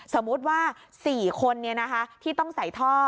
สมมุติว่า๔คนเนี่ยนะคะที่ต้องใส่ท่อ